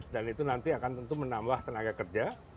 dan itu nanti akan tentu menambah tenaga kerja